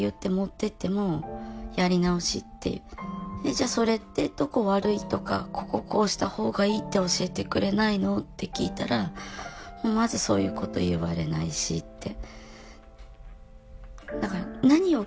「じゃあそれってどこ悪いとかこここうしたほうがいいって教えてくれないの？」って聞いたら「まずそういうこと言われないし」って。